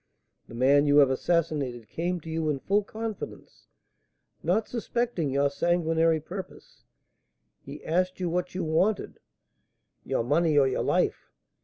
The man you have assassinated came to you in full confidence, not suspecting your sanguinary purpose. He asked you what you wanted: 'Your money or your life!'